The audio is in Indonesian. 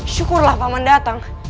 syukurlah paman datang